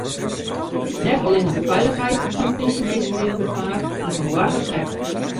Net allinnich de feilichheid fan de plysjeminsken rint gefaar, dy fan boargers ek.